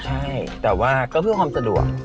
ใช่แต่ว่าก็เพื่อความสะดวก